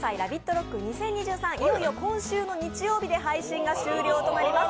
ＲＯＣＫ２０２３、いよいよ今週の日曜日で配信が終了となります。